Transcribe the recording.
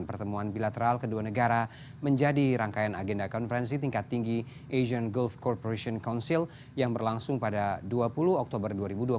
pertemuan bilateral kedua negara menjadi rangkaian agenda konferensi tingkat tinggi asian gulf corporation council yang berlangsung pada dua puluh oktober dua ribu dua puluh